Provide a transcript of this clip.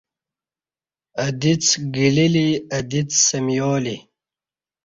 اہ دیڅ گلی لی اہ دیڅ سمیالی